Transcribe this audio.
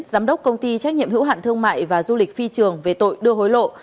giám đốc công ty trách nhiệm hữu hạn thương mại và du lịch phi trường về tội đưa hối lộ